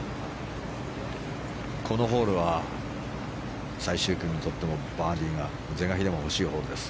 このホールは最終組にとってもバーディーが是が非でも欲しいホールです。